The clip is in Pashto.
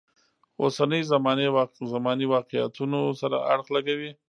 اوسنۍ زمانې واقعیتونو سره اړخ لګوي.